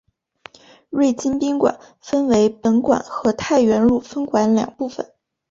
瑞金宾馆分为本馆和太原路分馆两部份。